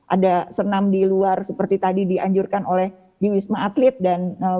ada senam di luar seperti tadi dianjurkan oleh di wisma atlet dan